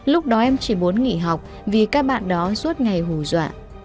lúc đó em chỉ muốn nghỉ học vì các bạn đó suốt ngày hù dọa